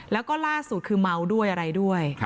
แล้วก็ล่าสุดคือเมาด้วยอะไรด้วย